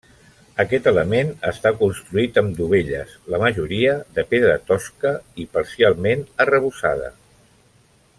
Aquest element està construït amb dovelles, la majoria de pedra tosca i parcialment arrebossades.